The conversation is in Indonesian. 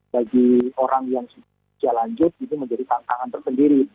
bagi orang yang usia lanjut itu menjadi tantangan tersendiri